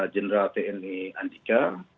jenderal tni andika